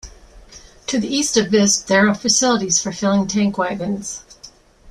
To the east of Visp, there are facilities for filling tank wagons.